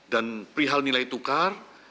dan perihal nilai tukar